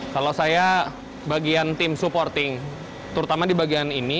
kalau saya bagian tim supporting terutama di bagian ini